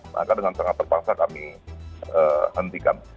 maka dengan sangat terpaksa kami hentikan